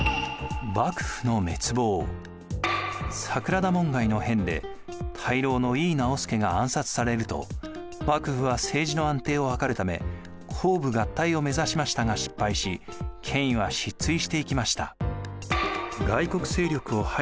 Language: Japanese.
桜田門外の変で大老の井伊直弼が暗殺されると幕府は政治の安定を図るため公武合体を目指しましたが失敗し権威は失墜していきました。